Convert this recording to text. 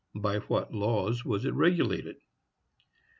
By what laws was it regulated?